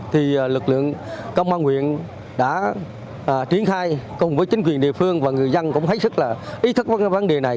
thì lực lượng công an huyện đã triển khai cùng với chính quyền địa phương và người dân cũng thấy sức là ý thức với vấn đề này